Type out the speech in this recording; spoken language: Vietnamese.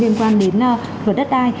liên quan đến vượt đất đai